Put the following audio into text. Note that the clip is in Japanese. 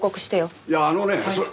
いやあのねそれ。